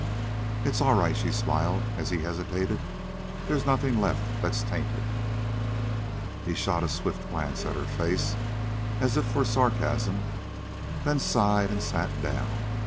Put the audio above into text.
"It's all right," she smiled, as he hesitated. "There's nothing left that's tainted." He shot a swift glance at her face, as if for sarcasm, then sighed and sat down.